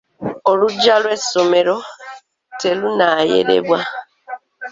Olujja lw'essommero te lunnayerebwa.